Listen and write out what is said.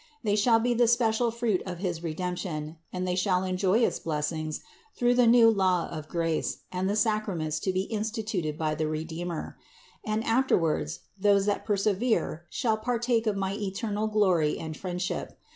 They shall be the special fruit of his Redemption, and they shall enjoy its blessings through the new law of grace and the sacraments to be instituted by the Redeemer; and afterwards those that persevere shall partake of my eternal glory and friend ship.